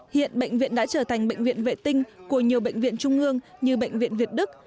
hiện bệnh viện đã trở thành bệnh viện vệ tinh của nhiều bệnh viện trung ương như bệnh viện việt đức